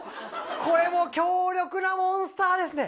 これも強力なモンスターですね。